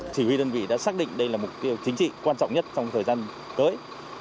chỉ huy đơn vị đã xác định đây là mục tiêu chính trị quan trọng nhất trong thời gian tới